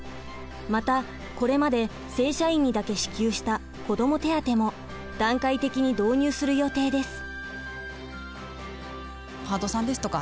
またこれまで正社員にだけ支給した子ども手当も段階的に導入する予定です。